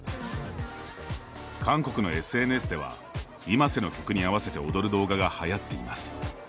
韓国のＳＮＳではｉｍａｓｅの曲に合わせて踊る動画がはやっています。